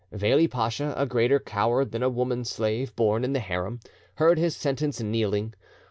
Veli Pacha, a greater coward than a woman slave born in the harem, heard his sentence kneeling.